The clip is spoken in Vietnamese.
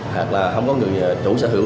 hoặc là không có người chủ sở hữu